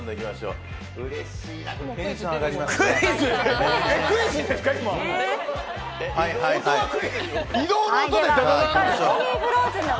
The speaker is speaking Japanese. うれしいな。